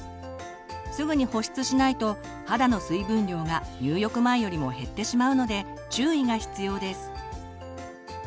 すぐに保湿しないと肌の水分量が入浴前よりも減ってしまうので注意が必要です。